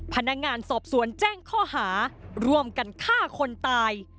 พนักงานสอบสวนแจ้งข้อหาร่วมกันฆ่าคนตาย